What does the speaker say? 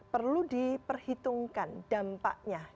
perlu diperhitungkan dampaknya